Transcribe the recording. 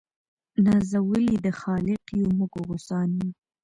نازولي د خالق یو موږ غوثان یو